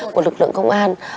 của lực lượng công an